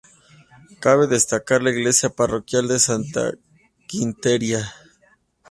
Cabe destacar la iglesia parroquial de Santa Quiteria.